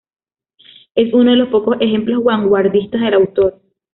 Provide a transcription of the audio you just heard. Es uno de los pocos ejemplos vanguardistas del autor.